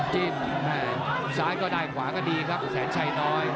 จิ้นซ้ายก็ได้ขวาก็ดีครับแสนชัยน้อย